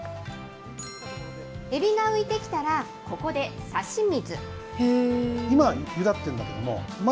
エビが浮いてきたら、ここでさし水。